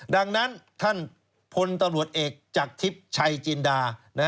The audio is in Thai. ดังนั้นท่านพลตำรวจเอกจากทิพย์ชัยจินดา